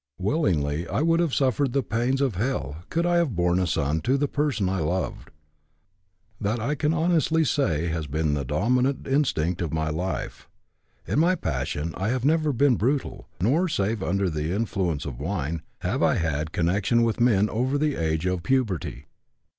Willingly would I have suffered the pains of hell could I have borne a son to the person I loved. That I can honestly say has been the dominant instinct of my life. In my passion I have never been brutal, nor save under the influence of wine have I had connection with men over the age of puberty.